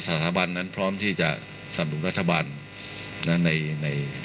ทรงมีลายพระราชกระแสรับสู่ภาคใต้